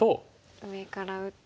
上から打って。